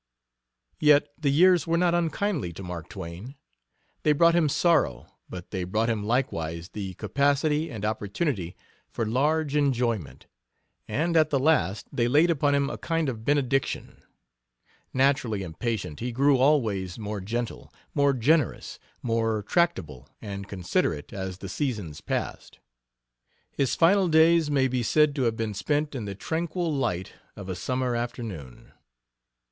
Yet the years were not unkindly to Mark Twain. They brought him sorrow, but they brought him likewise the capacity and opportunity for large enjoyment, and at the last they laid upon him a kind of benediction. Naturally impatient, he grew always more gentle, more generous, more tractable and considerate as the seasons passed. His final days may be said to have been spent in the tranquil light of a summer afternoon.